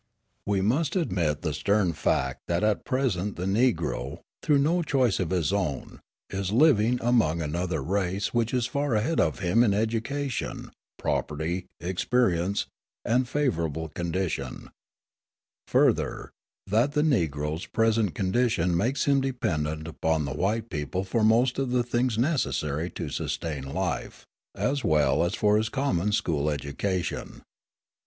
We must admit the stern fact that at present the Negro, through no choice of his own, is living among another race which is far ahead of him in education, property, experience, and favourable condition; further, that the Negro's present condition makes him dependent upon the white people for most of the things necessary to sustain life, as well as for his common school education.